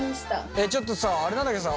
えっちょっとさあれなんだけどさ